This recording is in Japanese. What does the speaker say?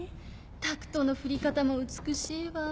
タクトの振り方も美しいわ。